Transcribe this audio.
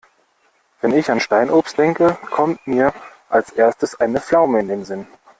Wenn ich an Steinobst denke, kommt mir als Erstes eine Pflaume in den Sinn.